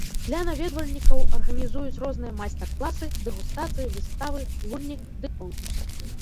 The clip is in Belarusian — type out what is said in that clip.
Для наведвальнікаў арганізуюць розныя майстар-класы, дэгустацыі, выставы, гульні ды конкурсы.